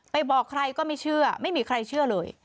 บอกใครก็ไม่เชื่อไม่มีใครเชื่อเลย